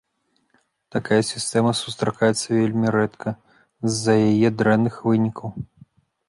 Такая сістэма сустракаецца вельмі рэдка з-за яе дрэнных вынікаў.